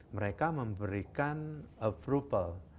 mereka memberikan approval